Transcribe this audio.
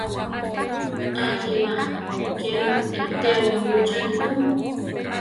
A jíba! ké mu iteó rúchani tu!